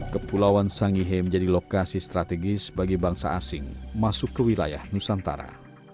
kepulauan sangihe menjadi lokasi strategis bagi bangsa asing masuk ke wilayah nusantara